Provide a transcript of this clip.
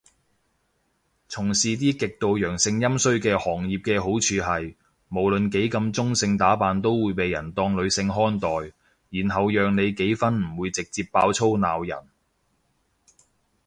從事啲極度陽盛陰衰嘅行業嘅好處係，無論幾咁中性打扮都會被人當女性看待，然後讓你幾分唔會直接爆粗鬧人